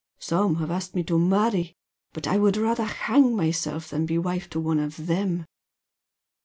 Some have asked me to marry, but I would rather hang myself than be wife to one of them!"